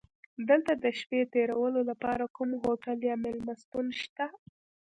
دلته د شپې تېرولو لپاره کوم هوټل یا میلمستون شته؟